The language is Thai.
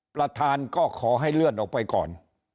ประธานก็ขอให้เลื่อนออกไปก่อน